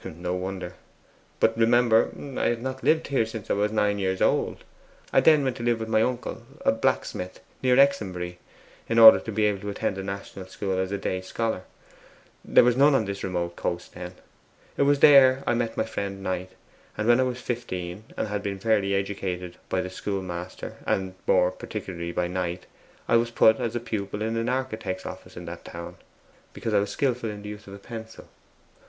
'No wonder. But remember, I have not lived here since I was nine years old. I then went to live with my uncle, a blacksmith, near Exonbury, in order to be able to attend a national school as a day scholar; there was none on this remote coast then. It was there I met with my friend Knight. And when I was fifteen and had been fairly educated by the school master and more particularly by Knight I was put as a pupil in an architect's office in that town, because I was skilful in the use of the pencil.